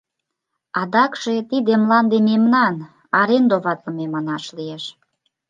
Адакше тиде мланде мемнан, арендоватлыме манаш лиеш.